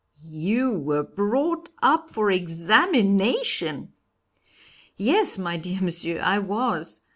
"You were brought up for examination?" "Yes, my dear Monsieur, I was.